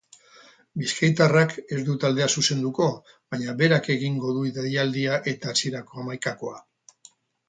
Bizkaitarrak ez du taldea zuzenduko baina berak egingo du deialdia eta hasierako hamaikakoa.